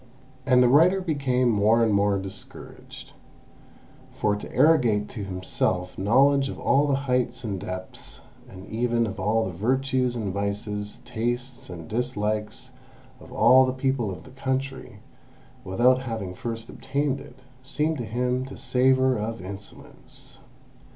And the writer became more and more discouraged, for to arrogate to himself knowledge of all the heights and depths, and even of all the virtues and vices, tastes and dislikes of all the people of the country, without having first obtained it, seemed to him to savour of insolence.